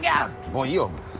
もういいよお前。